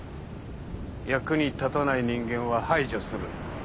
役に立たない人間は排除する。